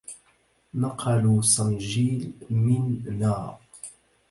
نقلوا صنجيل من نا